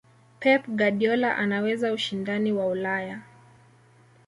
pep guardiola anaweza ushindani wa ulaya